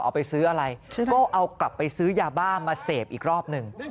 เอาไปซื้ออะไรก็เอากลับไปซื้อยาบ้ามาเสพอีกรอบหนึ่ง